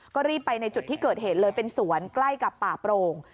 ก็รีบไปในจุดที่เกิดเหตุเลยเป็นสวนใกล้กับป่าโปร่ง